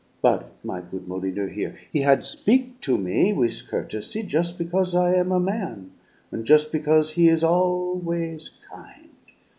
But my good Molyneux here, he had speak to me with courtesy, jus' because I am a man an' jus' because he is always kind.